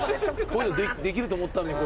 こういうのできると思ったんだよ。